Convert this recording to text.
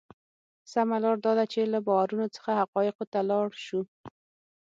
سمه لار دا ده چې له باورونو څخه حقایقو ته لاړ شو.